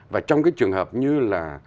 và trong cái trường hợp như là